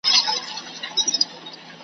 ځیني وختونه بېله موضوع لري .